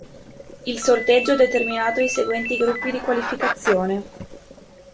Il sorteggio ha determinato i seguenti gruppi di qualificazione.